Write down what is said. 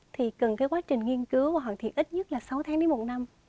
thì cần cái quá trình nghiên cứu và hoàn thiện ít nhất là sáu tháng đến một năm